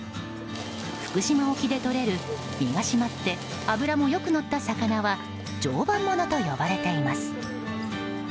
福島沖でとれる、身が締まって脂もよくのった魚は常磐ものと呼ばれています。